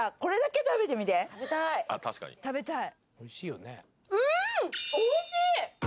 食べたい。